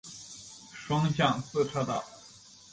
双向四车道。